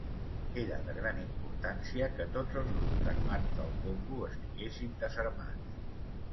Era de gran importància que tots els grups armats del Congo estiguessin desarmats.